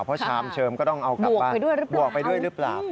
เพราะชามเชิมก็ต้องเอากลับบ้านบวกไปด้วยหรือเปล่า